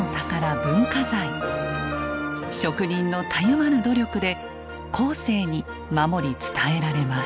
職人のたゆまぬ努力で後世に守り伝えられます。